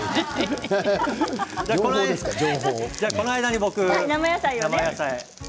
この間に僕、生野菜。